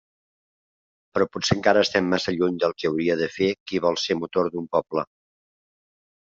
Però potser encara estem massa lluny del que hauria de fer qui vol ser motor d'un poble.